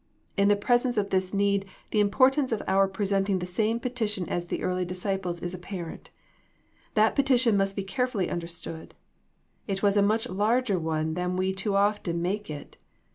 In the presence of this need the importance of our presenting the same petition as the early dis ciples is apparent. That petition must be carefully understood. It was a much larger one than we too often make it.